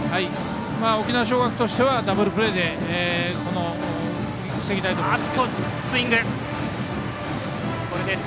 沖縄尚学としてはダブルプレーで、ここを防ぎたいところです。